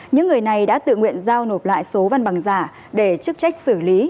những người này đã tự nguyện giao nộp lại số văn bằng giả để chức trách xử lý